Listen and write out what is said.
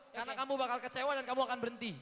karena kamu bakal kecewa dan kamu akan berhenti